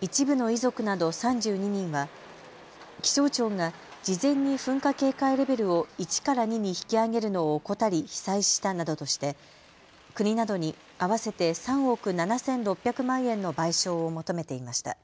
一部の遺族など３２人は気象庁が事前に噴火警戒レベルを１から２に引き上げるのを怠り被災したなどとして国などに合わせて３億７６００万円の賠償を求めていました。